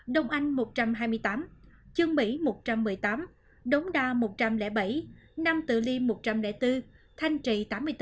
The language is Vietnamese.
đông anh một trăm hai mươi tám chương mỹ một trăm một mươi tám đống đa một trăm linh bảy nam tự liêm một trăm linh bốn thanh trì tám mươi bốn